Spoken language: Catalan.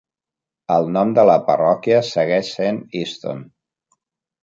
El nom de la parròquia segueix sent Easton.